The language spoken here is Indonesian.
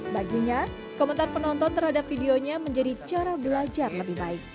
baginya komentar penonton terhadap videonya menjadi cara belajar lebih baik